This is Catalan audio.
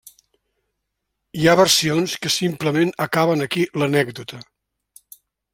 Hi ha versions que simplement acaben aquí l'anècdota.